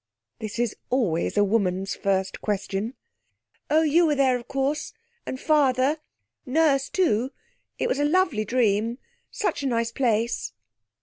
This is always a woman's first question. 'Oh, you were there, of course. And father. Nurse, too. It was a lovely dream. Such a nice place.'